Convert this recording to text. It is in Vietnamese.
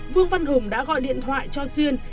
vương văn hùng đã gọi điện thoại cho duyên